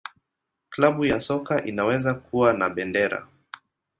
Klabu ya soka inaweza kuwa na bendera.